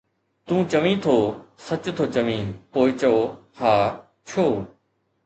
تون چوين ٿو، ’سچ ٿو چوين‘، پوءِ چئو، ’ها، ڇو؟